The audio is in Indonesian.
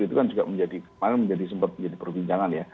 itu kan juga menjadi kemarin menjadi sempat menjadi perbincangan ya